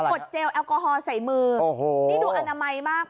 ดเจลแอลกอฮอล์ใส่มือโอ้โหนี่ดูอนามัยมาก